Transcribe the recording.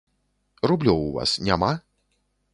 Рублёў у вас няма?